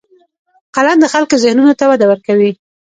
قلم د خلکو ذهنونو ته وده ورکوي